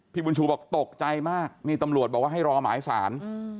บุญชูบอกตกใจมากนี่ตำรวจบอกว่าให้รอหมายสาร